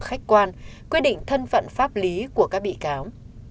khách quan quyết định thân phận pháp lý của các bị cáo